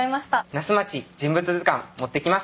「那須まち人物図鑑」持ってきました。